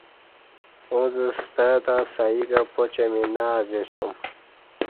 اُݩڅ ستہ تہ سہی کہ پاچیں می نہ اآزیا سیوم ۔